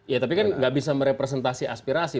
ya tapi kan nggak bisa merepresentasi aspirasi